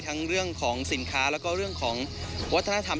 เรื่องของสินค้าแล้วก็เรื่องของวัฒนธรรม